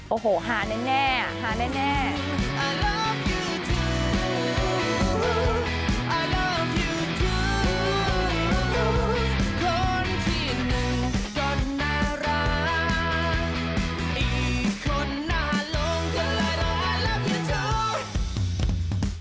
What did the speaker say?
โอ้โหฮาแน่อ่ะฮาแน่